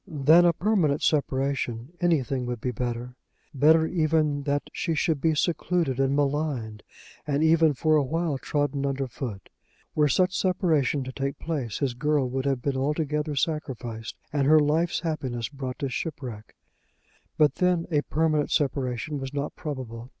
Than a permanent separation anything would be better; better even that she should be secluded and maligned, and even, for a while, trodden under foot. Were such separation to take place his girl would have been altogether sacrificed, and her life's happiness brought to shipwreck. But then a permanent separation was not probable.